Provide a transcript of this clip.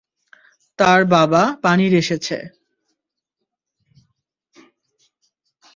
তার বাবা পানির এসেছে।